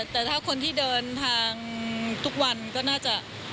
แต่ถ้าคนที่เดินทางทุกวันก็น่าจะ